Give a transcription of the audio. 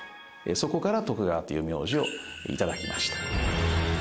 そこから徳川という名字を頂きました。